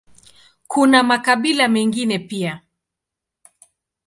Kuna makabila mengine pia.